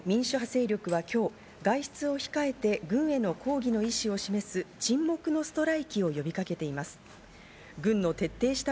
一方、民主派勢力は今日、外出を控えて軍への抗議の意志を示す、沈黙のストライキを呼びかけています。